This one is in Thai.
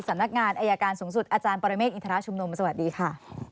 สำนักงานอายการสูงสุดอาจารย์ปรเมฆอินทรชุมนุมสวัสดีค่ะ